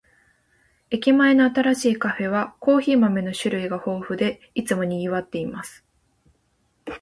駅前の新しいカフェは、コーヒー豆の種類が豊富で、いつも賑わっています。